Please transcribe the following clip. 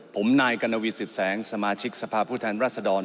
ผมนายกรณวีสิทธแสงสมาชิกสภาพผู้แทนรัศดร